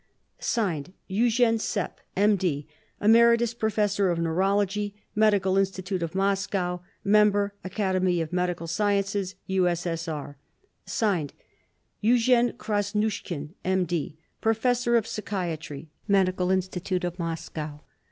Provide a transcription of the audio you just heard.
/s/ EUGENE SEPP M.D., Emeritus Professor of Neurology, Medical Inst, of Moscow; Member, Academy of Medical Sciences, U.S.S.R. /s/ EUGENE KRASNUSHKIN M.D., Professor of Psychiatry, Medical Institute of Moscow.